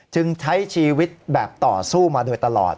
ใช้ชีวิตแบบต่อสู้มาโดยตลอด